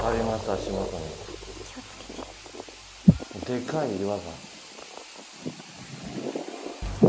でかい岩が。